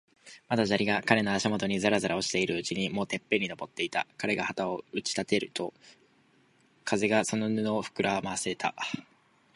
まだ砂利が彼の足もとにざらざら落ちているうちに、もうてっぺんに登っていた。彼が旗を打ち立てると、風がその布をふくらませた。